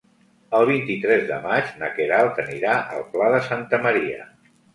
El vint-i-tres de maig na Queralt anirà al Pla de Santa Maria.